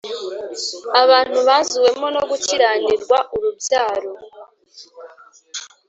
abantu buzuwemo no gukiranirwa, urubyaro